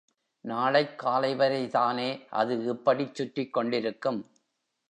நாளைக் காலைவரைதானே அது இப்படிச் சுற்றிக்கொண்டிருக்கும்?